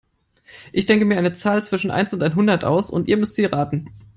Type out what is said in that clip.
Ich denke mir eine Zahl zwischen eins und einhundert aus und ihr müsst sie raten.